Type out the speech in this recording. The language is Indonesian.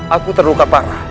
aku terluka parah